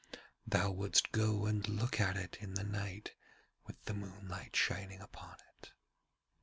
Thou wouldst go and look at it in the night with the moonlight shining upon it.'